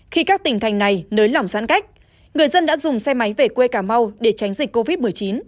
khi các tỉnh thành này nới lỏng giãn cách người dân đã dùng xe máy về quê cà mau để tránh dịch covid một mươi chín